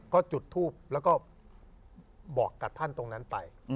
ก็จุดทูปแล้วก็บอกกับท่านตรงนั้นไป